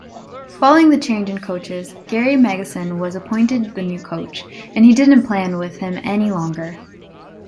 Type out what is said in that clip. Following the change in coaches, Gary Megson was appointed the new coach; and he didn’t plan with him any longer.